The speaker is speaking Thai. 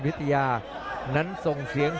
ขวางแขงขวาเจอเททิ้ง